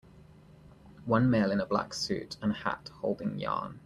One male in a black suit and hat holding yarn.